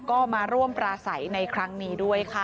ก็มาร่วมปราศัยในครั้งนี้ด้วยค่ะ